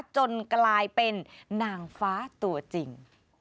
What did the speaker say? จนกลายเป็นนางฟ้าตัวจริง